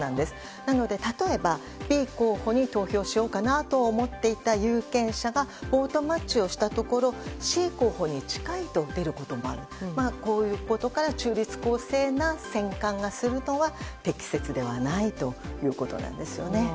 なので、例えばＢ候補に投票しようかなと思っていた有権者がボートマッチをしたところＣ候補に近いと出ることもあるということから中立公正な選管がするのは適切ではないということなんです。